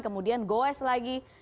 kemudian goes lagi